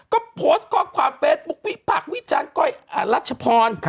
ก็โพสต์ข้อความเฟซบุ๊ควิพากษ์วิจารณ์ก้อยรัชพร